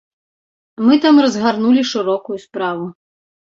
Мы там разгарнулі шырокую справу.